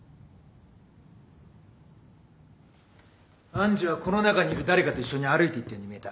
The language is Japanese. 愛珠はこの中にいる誰かと一緒に歩いていったように見えた。